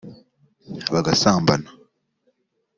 bagasambana